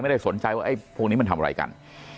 ไม่ได้สนใจว่าไอ้พวกนี้มันทำอะไรกัน